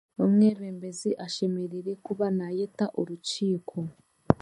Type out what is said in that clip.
Omwebembezi ashemereire kuba naayeta orukiiko.